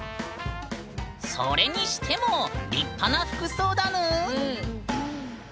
それにしても立派な服装だぬん！